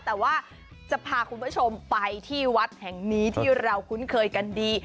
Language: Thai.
แต่ว่าจะพาคุณผู้ชมไปที่วัดแห่งนี้ที่เราคุ้นเคยกันดี